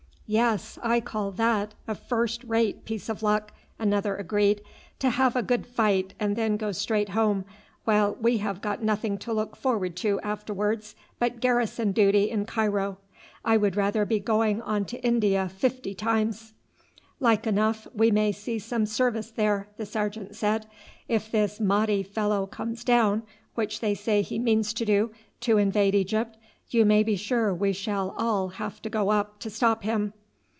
"Yes, I call that a first rate piece of luck," another agreed, "to have a good fight and then go straight home, while we have got nothing to look forward to afterwards but garrison duty in Cairo. I would rather be going on to India fifty times." "Like enough we may see some service there," the sergeant said. "If this Mahdi fellow comes down, which they say he means to do, to invade Egypt, you may be sure we shall all have to go up to stop him."